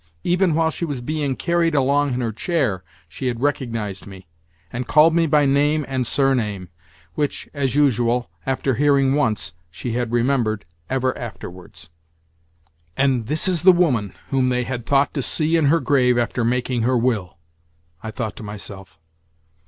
Even while she was being carried along in her chair she had recognised me, and called me by name and surname (which, as usual, after hearing once, she had remembered ever afterwards). "And this is the woman whom they had thought to see in her grave after making her will!" I thought to myself.